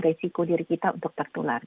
resiko diri kita untuk tertular